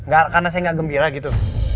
gak karena saya gak gembira gitu